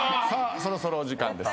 そろそろお時間です。